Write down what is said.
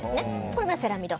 これがセラミド。